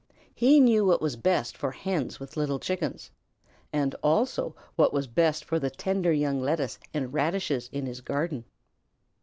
He knew what was best for Hens with little Chickens, and also what was best for the tender young lettuce and radishes in his garden.